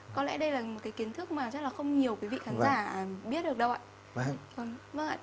có lẽ đây là một kiến thức mà không nhiều quý vị khán giả biết được đâu